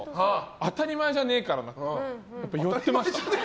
当たり前じゃねえからなって言われました。